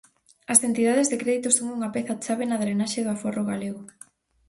As entidades de crédito son unha peza chave na drenaxe do aforro galego.